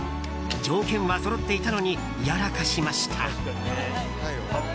条件はそろっていたのにやらかしました。